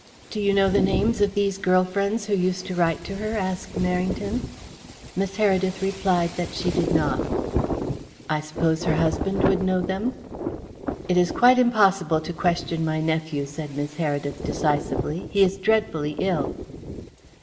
"Do you know the names of these girl friends who used to write to her?" asked Merrington. Miss Heredith replied that she did not. "I suppose her husband would know them?" "It is quite impossible to question my nephew," said Miss Heredith decisively. "He is dreadfully ill."